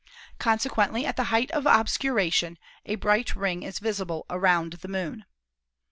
Consequently at the height of obscuration a bright ring is visible around the Moon.